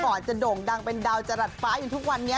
ก่อนจะโด่งดังเป็นดาวจรัสฟ้าอยู่ทุกวันนี้